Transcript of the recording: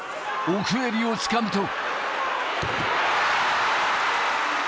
奥襟をつかむと。